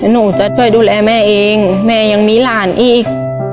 หนูจะช่วยดูแลแม่เองแม่ยังมีหลานอีก